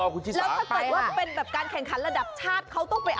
หอไชร์ครองหรือไหม